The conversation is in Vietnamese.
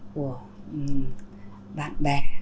của bạn bè